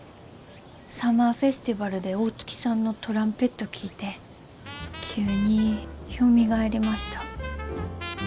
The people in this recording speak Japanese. サマーフェスティバルで大月さんのトランペット聴いて急によみがえりました。